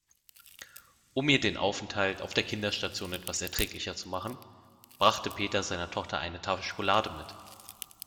Um ihr den Aufenthalt auf der Kinderstation etwas erträglicher zu machen, brachte Peter seiner Tochter eine Tafel Schokolade mit.